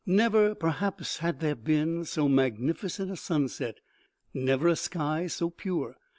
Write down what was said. Never, perhaps, had there been so magnificent a sunset, never a sky so pure